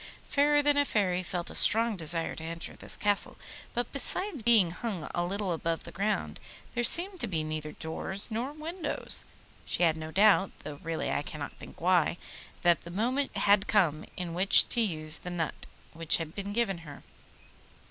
Fairer than a Fairy felt a strong desire to enter this Castle, but besides being hung a little above the ground there seemed to be neither doors nor windows. She had no doubt (though really I cannot think why) that the moment had come in which to use the nut which had been given her.